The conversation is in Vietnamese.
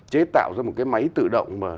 chế tạo ra một cái máy tự động